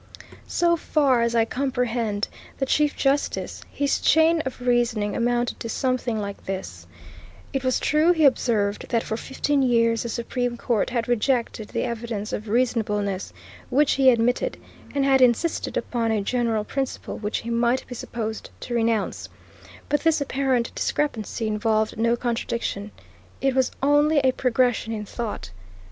So far as I comprehend the Chief Justice, his chain of reasoning amounted to something like this: It was true, he observed, that for fifteen years the Supreme Court had rejected the evidence of reasonableness which he admitted, and had insisted upon a general principle which he might be supposed to renounce, but this apparent discrepancy involved no contradiction. It was only a progression in thought.